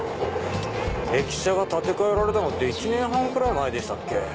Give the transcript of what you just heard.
駅舎が建て替えられたのって１年半くらい前でしたっけ？